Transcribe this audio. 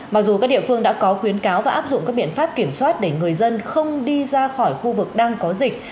mặc dù các địa phương đã có khuyến cáo và áp dụng các biện pháp kiểm soát để người dân không đi ra khỏi khu vực đang có dịch